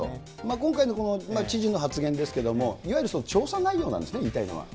今回の知事の発言ですけれども、いわゆるその調査内容なんですね、言いたいのは。